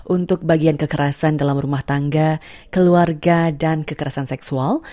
untuk bagian kekerasan dalam rumah tangga keluarga dan kekerasan seksual